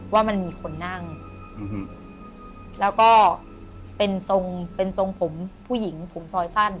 ว่ามันมีคนนั่งแล้วก็เป็นทรงเป็นทรงผมผู้หญิงผมซอยสั้น